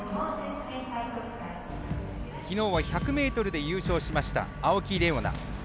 きのうは１００ｍで優勝しました青木玲緒樹。